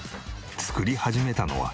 作り始めたのは。